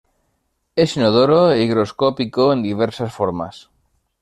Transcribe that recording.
Es inodoro e higroscópico en diversas formas.